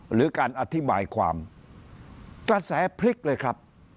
หรือการอธิบายความกระแสพลิกเลยครับ